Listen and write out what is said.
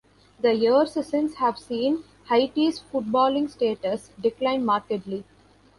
The years since have seen Haiti's footballing status decline markedly.